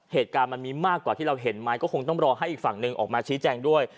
เหตุการณ์มันมีมากกว่าที่เราเห็นไหมก็คงต้องรอให้อีกฝั่งหนึ่งออกมาชี้แจงด้วย